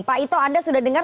pak ito anda sudah dengar